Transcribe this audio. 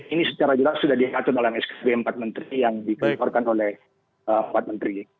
ini secara jelas sudah diatur dalam skb empat menteri yang dikeluarkan oleh empat menteri